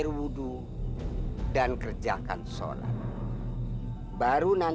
saya tidak pernah menyerang raden